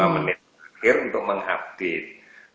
lima menit terakhir untuk mengupdate